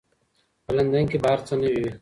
په لندن کې به هر څه نوي وي.